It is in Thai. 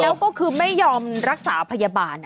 แล้วก็คือไม่ยอมรักษาพยาบาล